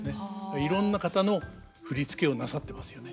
いろんな方の振り付けをなさってますよね。